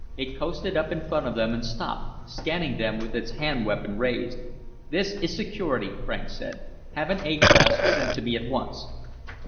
It coasted up in front of them and stopped, scanning them with its hand weapon raised. "This is Security," Franks said. "Have an A class sent to me at once."